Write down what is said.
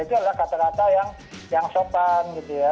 itu adalah kata kata yang sopan gitu ya